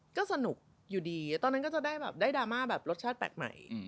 ก็สนุกอยู่ดีตอนนั้นก็จะได้แบบได้ดราม่าแบบรสชาติแปลกใหม่